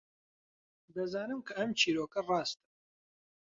دەزانم کە ئەم چیرۆکە ڕاستە.